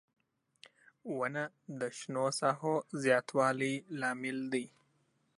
• ونه د شنو ساحو زیاتوالي لامل دی.